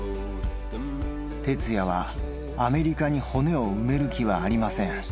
「哲也はアメリカに骨を埋める気はありません」